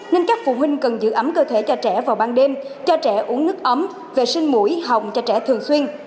nên các phụ huynh cần giữ ấm cơ thể cho trẻ vào ban đêm cho trẻ uống nước ấm vệ sinh mũi hồng cho trẻ thường xuyên